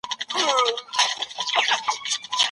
دا ولسوالي د هرات او کندهار پر لویه لاره پرته ده